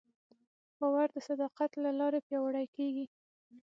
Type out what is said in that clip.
باور د صداقت له لارې پیاوړی کېږي.